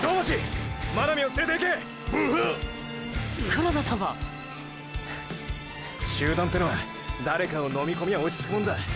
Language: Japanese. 黒田さんは⁉集団ってのは誰かをのみ込みゃ落ち着くもんだ。